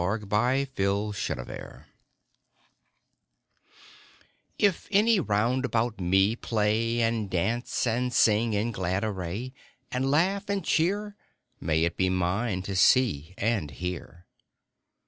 MAY IT BE MINE IF any round about me play, And dance and sing in glad array, And laugh and cheer, May it be mine to see and hear.